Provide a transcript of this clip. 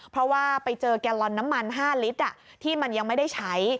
เพราะว่าไปเจอแกลลอนน้ำมัน๕ลิตรที่มันยังไม่ได้ใช้